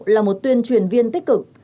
là một tuyên truyền viên tích cực